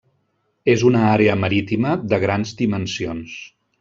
És una àrea marítima de grans dimensions.